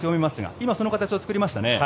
今、その形を作りましたね。